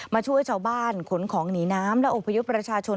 ช่วยชาวบ้านขนของหนีน้ำและอบพยพประชาชน